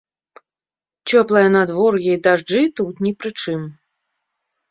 Цёплае надвор'е і дажджы тут не пры чым.